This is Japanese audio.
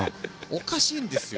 おかしいんですよ。